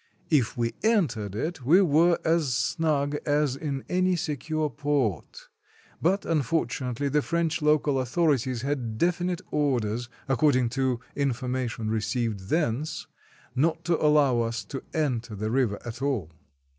If we entered it, we were as snug as in any secure port, but, unfortunately, the French local authorities had definite orders, according to information received thence, not to allow us to enter the river at all.